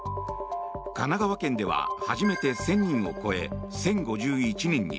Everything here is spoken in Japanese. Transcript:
神奈川県では初めて１０００人を超え１０５１人に。